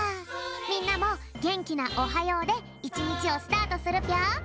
みんなもげんきな「おはよう」でいちにちをスタートするぴょん。